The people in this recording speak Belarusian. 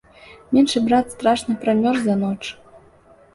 Меншы брат страшна перамёрз за ноч.